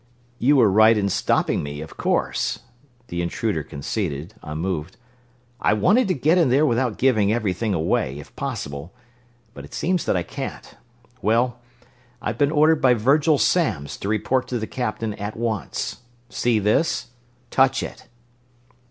"You were right in stopping me, of course," the intruder conceded, unmoved. "I wanted to get in there without giving everything away, if possible, but it seems that I can't. Well, I've been ordered by Virgil Samms to report to the Captain, at once. See this? Touch it!"